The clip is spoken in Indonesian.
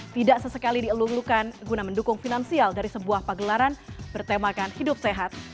tidak sesekali dielung elukan guna mendukung finansial dari sebuah pagelaran bertemakan hidup sehat